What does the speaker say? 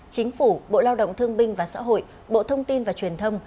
chính phủ bộ lao động thương binh và xã hội bộ thông tin và truyền thông